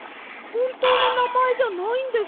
ほんとうのなまえじゃないんですか？